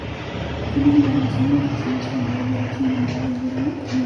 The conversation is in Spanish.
Fue nombrado en cinco ocasiones "jugador de la semana de la Ivy League".